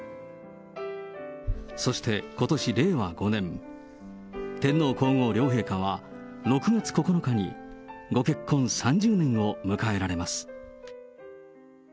そしてことし令和５年、天皇皇后両陛下は、６月９日にご結婚３０年を迎えられます。